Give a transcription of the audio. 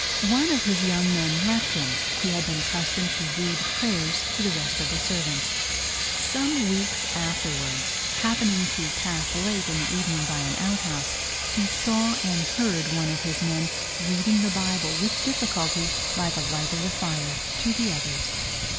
One of his young men left him, who had been accustomed to read prayers to the rest of the servants. Some weeks afterwards, happening to pass late in the evening by an outhouse, he saw and heard one of his men reading the Bible with difficulty by the light of the fire, to the others.